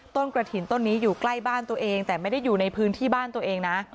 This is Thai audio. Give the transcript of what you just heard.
กระถิ่นต้นนี้อยู่ใกล้บ้านตัวเองแต่ไม่ได้อยู่ในพื้นที่บ้านตัวเองนะ